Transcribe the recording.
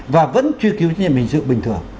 và vẫn truy cứu trách nhiệm hình sự bình thường